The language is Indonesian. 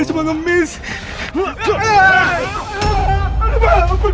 dia pengen cekitakan